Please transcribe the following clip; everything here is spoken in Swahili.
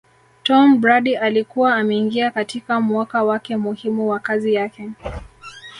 Tomm Brady alikuwa ameingia katika mwaka wake muhimu wa kazi yake